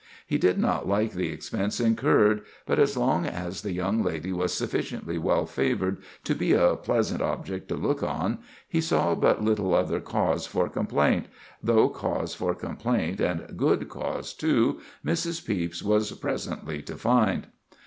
He did not like the expense incurred; but as long as the young lady was sufficiently well favored to be a pleasant object to look on, he saw but little other cause for complaint—though cause for complaint, and good cause too, Mrs. Pepys was presently to find.